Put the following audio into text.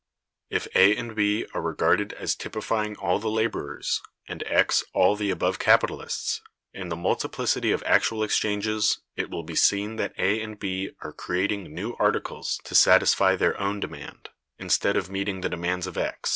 If A and B are regarded as typifying all the laborers, and X all the above capitalists, in the multiplicity of actual exchanges, it will be seen that A and B are creating new articles to satisfy their own demand, instead of meeting the demands of X.